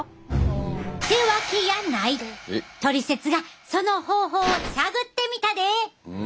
「トリセツ」がその方法を探ってみたで！